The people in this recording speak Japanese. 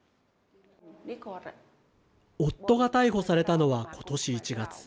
夫が逮捕されたのはことし１月。